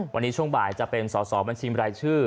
วันนี้ช่วงบ่ายจะเป็นสอสอบัญชีบรายชื่อ